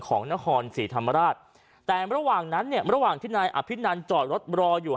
ของนครศรีธรรมราชแต่ระหว่างนั้นเนี่ยระหว่างที่นายอภินันจอดรถรออยู่